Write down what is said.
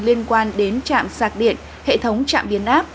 liên quan đến trạm sạc điện hệ thống trạm biến áp